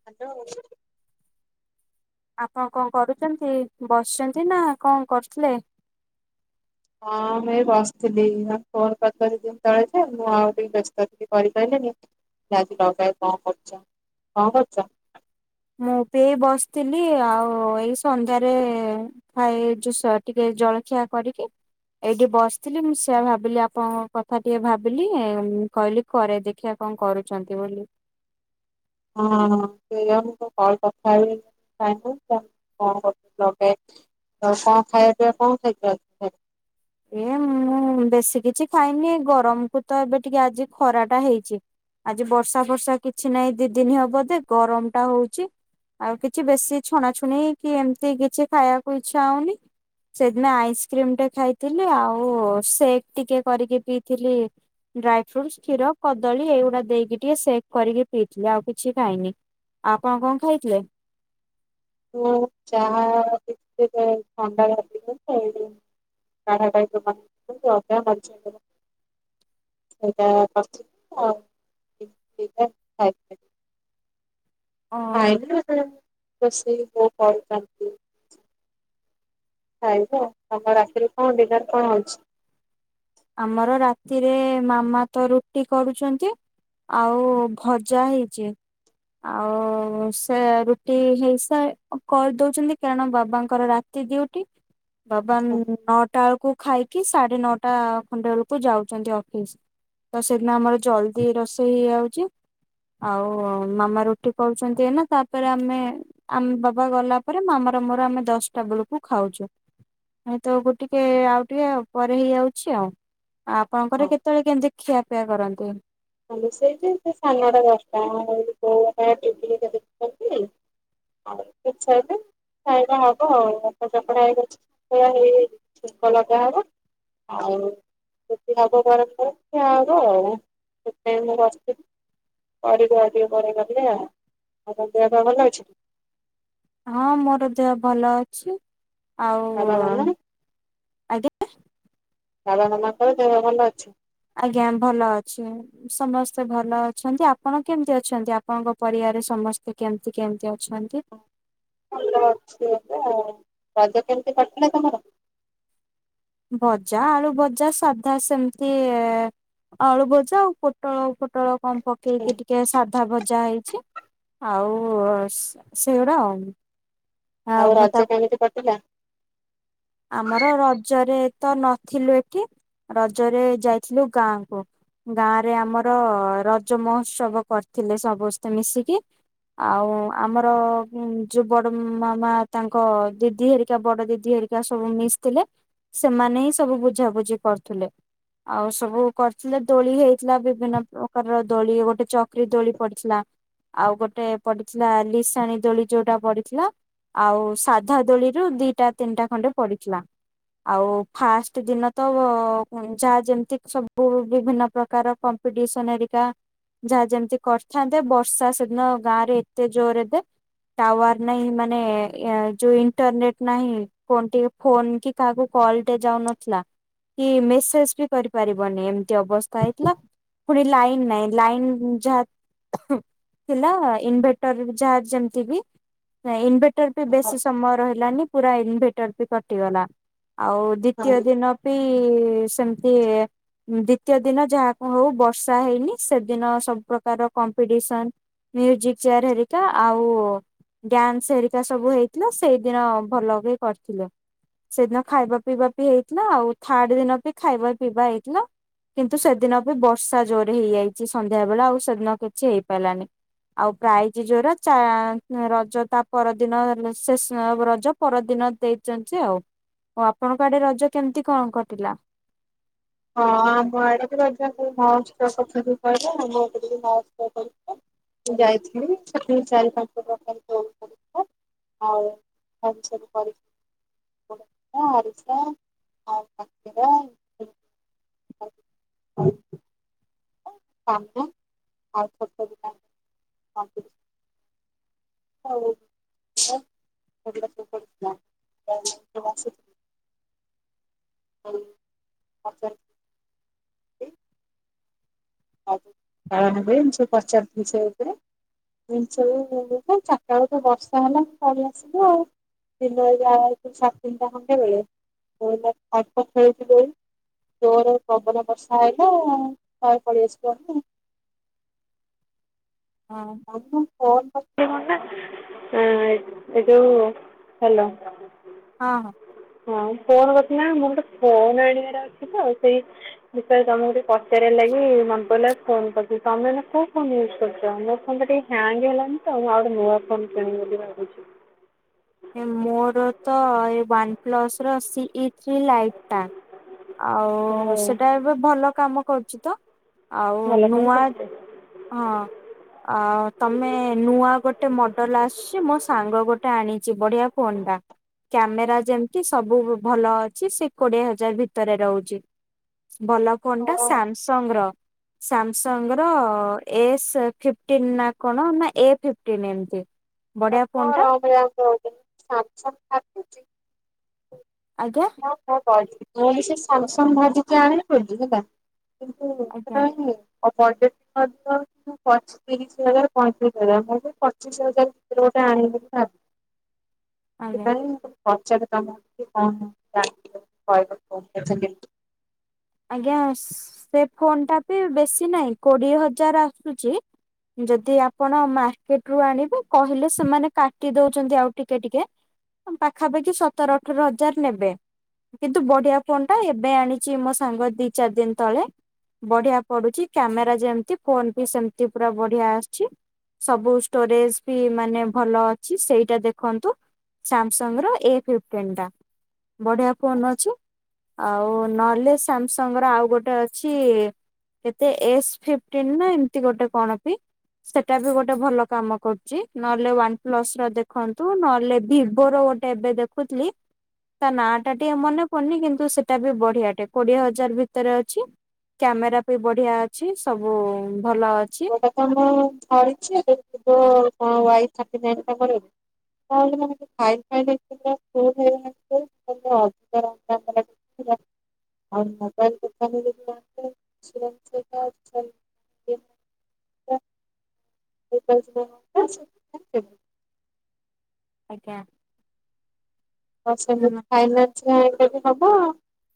Hello. ଆପଣ କଣ କରୁଚନ୍ତି ବସିଛନ୍ତି ନା କଣ କରୁଥିଲେ? ହଁ ମୁଁ ଏଇ ବସଥିଲି ଫୋନ କରି କରି ଦିନ ତଳେ ଯେ ମୁଁ ଆଉ ଟିକେ ବ୍ୟସ୍ତ ଟିକେ କରିପାଇଲିନି। [unintelligible] କଣ କରୁଚ କଣ କରୁଚ? ମୁଁ ପିଇ ବସିଥିଲି ଆଉ ଏଇ ସନ୍ଧ୍ୟାରେ ଖାଇ ଜୋଷ ଟିକେ ଜଳଖିଆ କରିକି ଏଇଠି ବସିଥିଲି ମୁଁ ସେଆ ଭାବିଲି ଆପଣଙ୍କ କଥା ଟିକେ ଭାବିଲି କହିଲି ଘରେ ଦେଖିବା କଣ କରୁଛନ୍ତି ବୋଲି। ହଁ ସେଇଆ ମୁଁ କଣ କଲ କଥା ହେଇ [unintelligible] କଣ ଖାଇବା ପିଇବା କଣ ଖାଇଚ ଆଜି? ଏ ମୁଁ ବେଶୀ କିଛି ଖାଇନି ଗରମ କୁ ତ ଏବେ ଟିକେ ଆଜି ଖରା ଟା ହେଇଛି। ଆଜି ବର୍ଷା ଫର୍ଷା କିଛି ନହିଁ ଦି ଦିନ ହବ ଦେ ଗରମ ଟା ହଉଛି। ଆଉ କିଛି ବେଶୀ ଛୁଣାଛୁଣି କି ଏମିତି କିଛି ଖାଇବାକୁ ଇଛା ହଉନି। ସେଦିନ ଆଇସ୍କ୍ରିମ ଟେ ଖାଇଥିଲି ଆଉ ସେକ୍ ଟିକେ କରିକି ପିଇଥିଲି। ଡ୍ରାଏ ଫ୍ରୁଟସ୍‌ କ୍ଷୀର କଦଳୀ ଏଇଗୁଡା ଦେଇକି ଟିକେ ସେକ୍ କରିକି ପିଇଥିଲେ ଆଉ କିଛି ଖାଇନି। ଆପଣ କଣ ଖାଇଥିଲେ? ମୁଁ ଚାହା ପିଇଥିଲି [unintelligible] [unintelligible] ସେଇଟାଉକରିଥିଲି ଆଉ [unintelligible] ଅ ଖାଇଥିଲୁ ହେତେଏଳେ [unintelligible] ଖାଇଚ ତମ ରାତିରେ କଣ ଡିନର କଣ ଅଛି? ଆମର ରାତିରେ ମାମା ତ ରୁଟି କରୁଛନ୍ତି। ଆଉ ଭଜା ହେଇଚି। ଆଉ ସେ ରୁଟି ହେଇସା କରିଦଉଛନ୍ତି କାରଣ ବାବାଙ୍କର ରାତ୍ ତି ଡିଉଟି। ବାବା ନଅଟା ଅଳକୁ ଖାଇକି ସାଢେ ନଅଟା [unintelligible] ବେଳକୁ ଯାଉଚନ୍ତି ଅଫିସ ତ ସେଦିନ ଆମର ଜଲଦି ରୋଷେଇ ହେଇଯାଉଚି। ଆଉ ମାମା ରୁଟି କରାଉଚନ୍ତି ଏଇନା ତାପରେ ଆମେ ଆମ ବାବା ଗଲା ପରେ ମାମାର ମୋର ଆମେ ଦଶଟା ବେଳକୁ ଖାଉଚୁ। ନାଇ ତ ଗୋ ଟିକେ ଆଉ ଟିକେ ଉପରେ ହେଇଯାଉଛି ଆଉ। ଆପଣଙ୍କର କେତେବେଳେ କେମିତି ଖିଆପିଆ କରନ୍ତି? ଅମେବି ସେଇଠି ସେ ସାଢ଼େନଅଟା ଦଶଟା [unintelligible] ଟିଭି ହେରିକା ଦେଖୁଚନ୍ତି। [unintelligible] ଖାଇବା ହବ ଆଉ ଅଟା ଚକଡା ହେଇକି ଅଛି ସେଇଆ ହେଇ ହେଇ ଛେପ ଲଗା ହବ। ଆଉ [unintelligible] ହବ ଆଉ। [unintelligible] କରିଦିଅ ଟିକେ [unintelligible] ଆଉ କଣ ଦେହ ପା ଭଲ ଅଛି? ହଁ ମୋର ଦେହ ଭଲ ଅଛି ଆଉ ବାବା ମାମା ଆଜ୍ଞା [unintelligible] ମାମାଙ୍କର ଦେହ ଭଲ ଅଛି? ଆଜ୍ଞା ଭଲ ଅଛି। ସମସ୍ତେ ଭଲ ଅଛନ୍ତି। ଆପଣ କେମିତି ଅଛନ୍ତି ଆପଣଙ୍କ ପରିବାର ସମସ୍ତେ କେମିତି କେମିତି ଅଛନ୍ତି? ଭଲ ଅଛି ଏବେ ଆଉ। ରଜ କେମିତି କଟିଲା ତମର? ଭଜା ଆଳୁ ଭଜା ସାଧା ସେମିତି ଇ ଆଳୁ ଭଜା ଆଉ ପୋ ପୋଟଳ ଫୋଟଳ କଣ ପକେଇକି ଟିକେ ସା ଅଧା ଭଜା ହେଇଛି ଆଉ ସେ ସେଗୁରା ଆଉ ଆଉ ରଜ କେମିତି କଟିଲା? ଆମର ରଜରେ ତ ନଥିଲୁ ଏଠି ରଜରେ ଯାଇଥିଲୁ ଗାଁକୁ। ଗାଁ ରେ ଆମର ରଜ ମହୋତ୍ସବ କରିଥିଲେ ସମସ୍ତେ ମିଶିକି ଆଉ ଆମର ଉନ୍ ଯୋଉ ବଡ ମାମା ତାଙ୍କ ଦିଦି ହେରିକା ବଡ ଦିଦି ହେ ରିକା ସବୁ ମିଶିଥିଲେ ସେମାନେ ହିଁ ସବୁ ବୁଝାବୁଝି କରୁଥିଲେ। ଆଉ ସବୁ କରିଥିଲେ ଦୋଳି ହେଇଥିଲା ବିଭିନ୍ନ ପ୍ରକାରର ଦୋଳି ଗୋଟେ ଚକି ଦୋଳି ପଡିଥିଲା। ଆଉ ଗୋଟେ ପଡିଥିଲା ଲିସାଣି ଦୋଳି ଯୋଉଟା ପଡିଥିଲା ଆଉ ସାଧା ଦୋଳିରୁ ଦିଟା ତିନିଟା ଖଣ୍ଡେ ପଡିଥିଲା। ଆଉ ଫାଷ୍ଟ ଦିନ ତ ଅ ଯାହା ଯେମିତି ସବୁ ବିଭିନ୍ନ ପ୍ରକାର କମ୍ପିଟିସନ ହେରିକା ଯାହା ଯେମିତି କରିଥାନ୍ତେ ବର୍ଷା ସେଦିନ ଗାଁ ରେ ଏତେ ଜୋରରେ ଦେ ଟାୱାର ନାହିଁ ମାନେ ଏ ଯୋଉ ଇଣ୍ଟରନେଟେ ନାହିଁ ଫୋନ ଟିକେ ଫୋନ କି କାହାକୁ କଲ ଟେ ଯାଉନଥିଲା, କି ମେସେଜ ବି କରିପାରିବନି ଏମିତି ଅବସ୍ଥା ହେଇଥିଲା ଫୁଣି ଲାଇନ ନାହିଁ ଲାଇନ ଯା ଥିଲା ଇନଭେଟର ରେ ବି ଯାହା ଯେମିତି ବି ଇନ୍ଭେ ଭେଟର ବେଶି ସମୟ ରହିଲାନି ପୁରା ଇନ୍ଭେଟର ବି କଟିଗଲା। ଆଉ ହଁ ଦ୍ୱିତୀୟ ଦିନ ପି ସେମିତି ଦ୍ଵିତୀୟ ଦିନ ଯାହାକୁ ହଉ ବର୍ଷା ହେଇନି ସେଦିନ ସବୁ ପ୍ରକାର କମ୍ପିଟିସନ୍ ମ୍ୟୁଜିକ୍ ଚେୟାର ହେରିକା ଆଉ ଡାନ୍ସ ହେରିକା ସବୁ ହେଇଥିଲା ସେଇଦିନ ଭଲ ବି କରିଥିଲେ। ସେଦିନ ଖାଇବା ପିଇବା ବି ହେଇଥିଲା ଆଉ ଥାର୍ଡ ଦିନ ବି ଖାଇବା ପିଇବା ହେଇଥିଲା। କିନ୍ତୁ ସେଦିନ ବି ବର୍ଷା ଜୋରେ ହେଇଯାଇଛି ସନ୍ଧ୍ୟା ବେଳେ ଆଉ ସେଦିନ କିଛି ହେଇପାରିଲାନି। ଆଉ ପ୍ରାଇଜ୍ ଯୋଉରା ଚା ରଜ ତା ପରଦିନ ସେ ସେ ରଜ ପରଦିନ ଦେଇଛନ୍ତି ଆଉ। ଆଉ ଆପଣଙ୍କ ଆଡେ ରଜ କେମିତି କଣ କଟିଲା? ହଁ ଆମ ଆଡେ ବି ରଜ ମହୋତ୍ସବ କଥା ବି କହିଲେ ଆମ ମହୋସ୍ରବ ମୁ ଯାଇଥିଲି ସେଠି ଚାରି ପାଞ୍ଚ ପ୍ରକାର ର ଦୋଳିପଡ଼ିଥିଲା ଆଉ [unintelligible] [unintelligible] ଆରିଶା ଆଉ କାକରା [inaudible] କାମ ଆଉ [unintelligible] ହଉ [unintelligible] [unintelligible] [unintelligible] ଆଛା ଆଉ ନବେ [unintelligible] ସେ ଉପରେ ଜିନିଷ [unintelligible] ଚାରିଟା ବେଳକୁ ବର୍ଷା ହେଲା ପଳେଇ ଆସିଲୁ ଆଉ। ଦିନ ଏ ସାଡେ ତିନିଟା [unintelligible] ଜୋରେ ପ୍ରବଳ ବର୍ଷା ଆଇଲା ପଳେଇ ଆସିବ ନି। ହଁ। [unintelligible] ଫୋନ କରିଥିଲି କଣ ନା ହୁଁ ଏ ଏ ଯୋଉ ହାଲୋ। ହଁ ହଁ। ହଁ ଫୋନ କରିଥିଲି ନା ମୋର ଗୋଟେ ଫୋନ୍ ଆଣିବାର ଅଛି ତ ସେଇ। ବିଷୟରେ ତମକୁ ଟିକେ ପଚାରିବା ଲାଗି ମନେ ପଇଲା ଫୋନ୍ କରିଚି ତମେ ଏଇନା କୋଉ ଫୋନ୍ ୟୁଜ୍ କରୁଛ ମୋ ଫୋନ ଗୋଟେ। ହ୍ୟାଙ୍ଗ ହେଲାଣି ତ ମୁଁ ଆଉଗୋଟେ ନୂଆ ଫୋନ୍ କିଣିବି ବୋଲି ଭାବିଛି। ଏ ମୋର ତ ଏ ୱାନ୍ ପ୍ଲସ ର ସି ଇ ଥ୍ରୀ ଲାଇଟ୍। ଟା ଆଉ ଓହୋ ସେଟା ଏବେ ଭଲ କାମ କରୁଛି ତ। ଆଉ ଭଲ ଫୋନ୍ ନୂଆ। କରିଛ। ହଁ ଆଉ ତମେ ନୂଆ ଗୋଟେ ମଡେଲ ଆସଛି ମୋ ସାଙ୍ଗ ଗୋ ଟେ ଆଣିଛି ବଢିଆ ଫୋନ୍ ଟା। କ୍ୟାମେରା ଯେମତି ସବୁବୁ ଭଲ ଅଛି ସେ କୋଡିଏ ହଜାର ଭିତରେ ରହୁଛି। ଭଲ ଫୋନ୍ ଟା ନହେଲେ ସାମସଙ୍ଗ ର ସାମସଙ୍ଗ ର। ଏସ୍ ଫିପ୍ଟିନ ନା କଣ ନା ଏ ଫିପ୍ଟିନ ଏମତି। ଏ ବଢିଆ ଫୋନ ଟା କଣ ଭଳିଆ [unintelligible] ସାମସଙ୍ଗ ଆସିଛି। ଆଜ୍ଞା। ମୁଁ ବି ସେ ସାମ୍ସଙ୍ଗ ଭାବିଚି ଆଣିବି ବୋଲି ହେଲା। କିନ୍ତୁ ସେଟା ଆଜ୍ଞା ଆଇନି। [unintelligible] ତିରିଶ ହଜାର ପଇଁତିରିଶ ହଜାର ମୁଁ ସେଇ ପଚିଶ ହଜାରେ। ଭିତରେ ଗୋଟ ଆଣିବି ବୋଲି ଭାବିଚି ଆଜ୍ଞା ସେପାଇଁ ମୁଁ କଲି। ପଚାରେ ତମକୁ କି କଣ [unintelligible] ଆଜ୍ଞା ସ୍ ସେ ଫୋନ୍ ଟା ପି ବେଶୀ ନାହିଁ କୋଡ଼ିଏ ହଜାର ଆସୁଚି। ଯଦି ଆପଣ ମାର୍କେଟ ରୁ ଆଣିବେ କହିଲେ ସେମାନେ କାଟି ଦଉଚନ୍ତି ଆଉ ଟିକେ ଟିକେ। ତମ୍ ପାଖାପାଖି ସତର ଅଠର ହଜାର ନେବେ। କିନ୍ତୁ ବଢିଆ ଫୋନ୍ ଟା ଏବେ ଆଣିଚି ମୋ ସାଙ୍ଗ ଦି ଚାରି ଦିନ୍ ତଳେ। ବଢିଆ ପଡ଼ୁଚି କ୍ୟାମେରା ଯେମତି ଫୋନ ବି ସେମତି ପୁରା ବଢିଆ ଆସଚି। ସବୁ ଷ୍ଟୋରେଜ୍ ବି ମାନେ ଭଲ ଅଛି ସେଇଟା ଦେଖନ୍ତୁ। ସାମସଙ୍ଗ୍ ର ଏ ଫିପ୍ଟିନ୍ ଟା ବଢିଆ ଫୋନ୍ ଅଛି ଆଉ ନହଲେ ସାମସଙ୍ଗ୍ ର ଆଉ ଗୋଟେ ଅଛି। କେତେ ଏସ୍ ଫିପ୍ଟିନ୍ ନା ଏମତି ଗୋଟେ କଣ ପି। ସେଟା ବି ଗୋଟେ ଭଲ କାମ କରୁଚି ନହଲେ ୱାନ ପ୍ଲସ ର ଦେଖନ୍ତୁ ନହେଲେ ଭିବୋ ର ଗୋ ଟେ ଏବେ ଦେଖୁଥିଲି ତା ନାଁ ଟା ଟିକେ ମନେ ପଡୁନି କିନ୍ତୁ ସେଟା ବି ବଢିଆ ଟେ। କୋଡିଏ ହଜାର ଭିତରେ ଅଛି କ୍ୟାମେରା ପି ବଢିଆ ଅଛି ସବୁ ଭଲ ଅଛି। ଭିବୋଫୋନ ମୁଁ ଧରିଚି ଏବେ ଭୀବୋ କଣ ୱାଇ ଥାଟିନାଇନି ଟା ମିଳିବ କି? [unintelligible] [unintelligible] [unintelligible] [unintelligible] ଆଜ୍ଞା। ହ ଉଁ ସେମିତି ଫାଇନାନ୍ସ୍ ରେ ଆଣିଲେ ବି ହବ।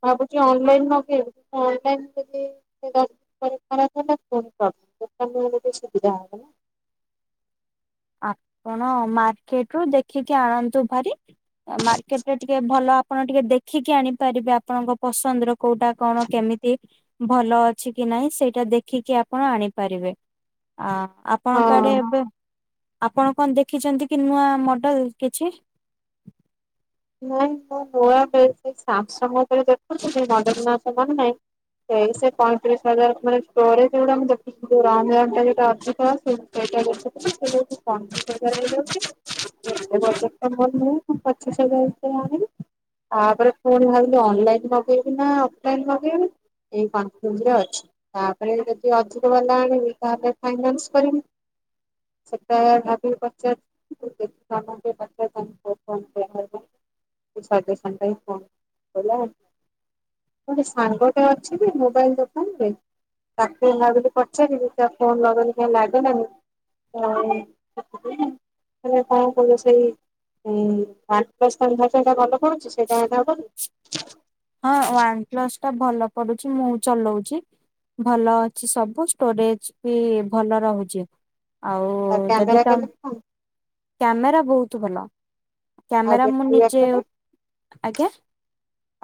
ଭାବୁଚି ଅନ୍ ଲାଇନ୍ ମଗେଇବି ଦେଖିଆ ଅନ୍ ଲାଇନ୍ ଯଦି। [unintelligible] ନେଲେ ସୁବିଧା ହବ ନା। ଆପଣ ମାର୍କେଟ ରୁ ଦେଖିକି ଆଣନ୍ତୁ ଭାରି। ମାର୍କେଟ ରେ ଟିକେ ଭଲ ଆପଣ ଟିକେ ଦେ ଦେଖିକି ଆଣିପାରିବେ ଆପଣଙ୍କ ପସନ୍ଦର କୋଉଟା କଣ କେମିତି। ଭଲ ଅଛି କି ନାହିଁ ସେଇଟା ଦେଖିକି ଆପଣ ଆଣିପାରିବେ। ଆ ଆପ୍। ନା ଆପଣଙ୍କ ଆଡେ ହଁ। ଏବେ ଆପଣ କଣ ଦେଖିଚନ୍ତି କି ନୂଆ ମଡେଲ କିଛି। [unintelligible] ସେଇ ସେ ପଇଁତିରିଶ ହଜାର ପୁଣି ଷ୍ଟୋରେଜ୍ ଗୁଡା ମୁଁ ଦେଖିକି ଯୋ ରାମ୍ ରମ୍ ଟା ଯୋଟା ଅଧିକ ଆସେ। ସେଇଟା ଦେଖୁଥିଲି। ହେଇଯାଉଚି ପଇଁ ତିରିଶ ହଜାର ହେଇଯାଉଚି। ବଜେଟା ମୋର ନାହଁ। ମୁଁ ପଚିଶ ହଜାର ଭିତରେ ଆଣିବି। ତାପରେ ପୁଣି ଭାବିଲି ଅନଲାଇନ ମଗେଇବି ନା ଅଫଲାଇନ ମଗେଇବି। ଏଇ କନଫ୍ୟୁଜରେ ଅଛି। ତାପରେ ଯଦି ଅଧିକ ବାଲା ଆଣିବି ତା ପାଇଁ ଫାଇନାନ୍ସ କରିବି। [unintelligible] ସାଠ ସନ୍ତା ଫ ବଲା [unintelligible] ଗୋଟେ ସାଙ୍ଗଟେ ଅଛିଯେ ମୋବାଇଲ୍ ଦୋକାନ୍ ରେ। ତାକୁ ଭାବିଲି ପଚାରିବି, ତା ଫୋନ୍ ଲଗେଇଲି କାଇଁ ଲାଗିଲାନି। [unintelligible] ସେଟା ଭଲ ପଡ଼ୁଚି ସେଇଟା ଆଇଁଲେ ହବନି। [inaudible] ହଁ ୱାନ୍ ପ୍ଲସ୍ ଟା ଭଲ ପଡୁଚି ମୁଁ ଚଲଉଚି। ଭଲ ଅଛି ସବୁ ଷ୍ଟୋରେଜ୍ ବି ଭଲ ରହୁଚି। ଆଉ କ୍ୟାମେରା ଯଦି ତ। କେମିତି କଣ କ୍ୟାମେରା ବହୁତ ଭଲ। ଆଉ କ୍ୟାମେରା ମୁଁ ବ୍ୟାଟେରୀ ନିଜେ ବ୍ୟାକଅପ୍ ଆଜ୍ଞା।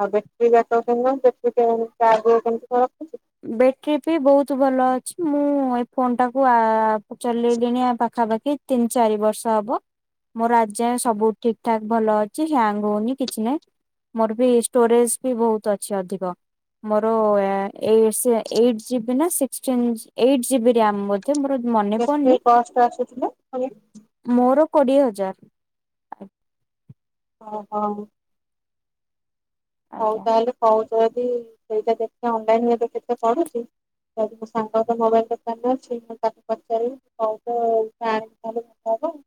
ଆଉ ବେଟ୍ରି ବ୍ୟାକପ୍ କେମିତି କଣ? ବେଟ୍ରି କେମିତି ଚାର୍ଜ କେମିତି କଣ ରଖୁଚି? ବେଟେରୀ ବି ବହୁତୁ ଭଲ ଅଛି। ମୁଁ ଏଇ ଫୋନ ଟାକୁ ଆ-ଆ। ଚଲେଇଲିଣି ଆ ପାଖାପାଖି ତିନି ଚାରି ବର୍ଷ ହବ। ମୋର ଆଜାଏ ସବୁ ଠିକ୍ ଠାକ୍ ଭଲ ଅଛି ହ୍ୟାଙ୍ଗ୍ ହୋଉନି କିଛି ନାହିଁ। ମୋର୍ ବି ଷ୍ଟୋରେଜ୍ ବି ବହୁତ୍ ଅଛି ଅଧିକ। ମୋର ଏ। ଏଇଟ୍ସ ଏଇଟ୍ ଜିବି ନା ସିକ୍ସଟିନ୍ ଏଇଟ୍ ଜିବି ରାମ୍ ମ ବ ଏକଜାଟ୍ ମୋର ମନେ କେତେ ପଡୁନି କଷ୍ଟ ଆସୁଛି ଲୋ ପୁଣି ମୋର କୋଡିଏ ହଜାର। ଓ ହୋ। ହଉ ଆଜ୍ଞା। ତାହେଲେ କହୁଛ ଯଦି ସେଇଟା ଦେଖ ଅନଲାଇନ୍ ରେ କେତେ ପଡୁଛି। ଆ ମୋ ସାଙ୍ଗ ତ ମୋବାଇଲ୍ ଦୋକାନ‌ଅଛି ମୁଁ ତାକୁ ପଚାରିବି। ହଉତ [unintelligible] ହବ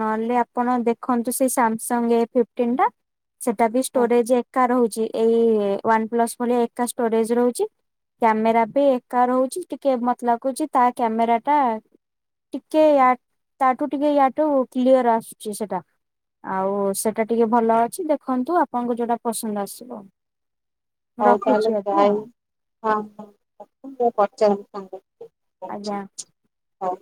ନହେଲେ ଆପଣ ଦେଖନ୍ତୁ ସେ ସାମସଙ୍ଗ୍ ଏ ଫିପ୍ଟିନ୍ ଟା ସେଟା ବି ଆଉ। ଷ୍ଟୋରେଜ୍। କା ରହୁଛି ଏଇ ୱାନ୍ ପ୍ଲସ୍ ଭଳି ଏକା ଷ୍ଟୋରେଜ୍ ରହୁଛି। କ୍ୟାମେରା ବି ଏକା ରହୁଛି ଟିକେ ମତେ ଲାଗୁଛି ତା କ୍ୟାମେରା ଟା। ଟିକେ ୟା ତାଠୁ ଟିକେ ୟାଠୁ କ୍ଲିୟର ଆସୁଛି ସେଟା। ଆଉ ସେଇଟା ଟିକେ ଭଲ ଅଛି ଦେଖନ୍ତୁ ଆପଣଙ୍କୁ ଯୋଉଟା ପସନ୍ଦ ଆସିବ। ମୁଁ ହଉ ରଖୁଛି ତାଲ [unintelligible] ଆଜି ଆଉ ହଁ ହ ମୁଁ ପଚା ଆଜ୍ଞା। [unintelligible] ହ